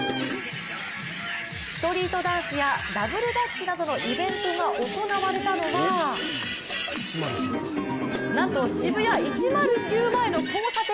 ストリートダンスやダブルダッチなどのイベントが行われたのはなんとＳＨＩＢＵＹＡ１０９前の交差点。